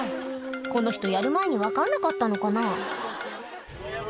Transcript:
この人やる前に分かんなかったのかな？